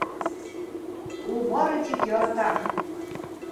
Ул бары тик ярата!